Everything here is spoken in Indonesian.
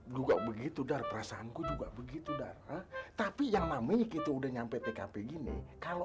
juga begitu dar perasaanku juga begitu darah tapi yang namanya gitu udah nyampe tkp gini kalau